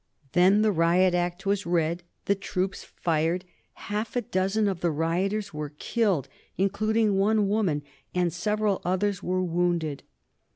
Then the Riot Act was read; the troops fired; half a dozen of the rioters were killed, including one woman, and several others were wounded.